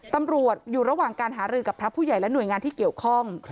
ตำรวจอยู่ระหว่างการหารือกับพระผู้ใหญ่และหน่วยงานที่เกี่ยวข้อง